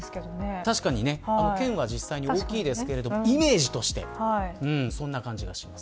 確かに県は実際に大きいですがイメージとしてそんな感じがあります。